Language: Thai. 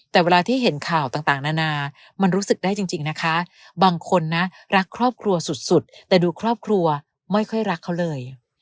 แต่เวลาที่เห็นข่าวต่างนานามันรู้สึกได้จริงนะคะบางคนนะรักครอบครัวสุดแต่ดูครอบครัวไม่ค่อยรักเขาเลย